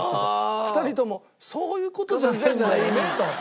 ２人とも「そういう事じゃないんだよね」と。